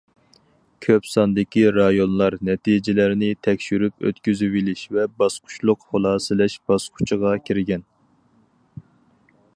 كۆپ ساندىكى رايونلار نەتىجىلەرنى تەكشۈرۈپ ئۆتكۈزۈۋېلىش ۋە باسقۇچلۇق خۇلاسىلەش باسقۇچىغا كىرگەن.